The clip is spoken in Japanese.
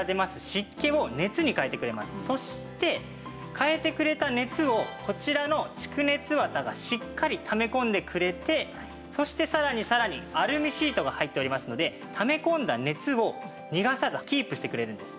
そして変えてくれた熱をこちらの蓄熱綿がしっかりため込んでくれてそしてさらにさらにアルミシートが入っておりますのでため込んだ熱を逃がさずキープしてくれるんです。